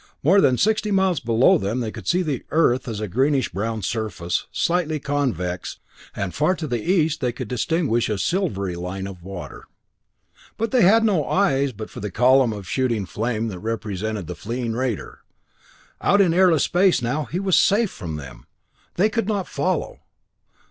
More than sixty miles below them they could see the Earth as a greenish brown surface, slightly convex, and far to the east they could distinguish a silvery line of water! But they had no eyes but for the column of shooting flame that represented the fleeing raider! Out in airless space now, he was safe from them. They could not follow.